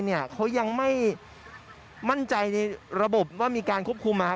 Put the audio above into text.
เขายังไม่มั่นใจในระบบว่ามีการควบคุมมา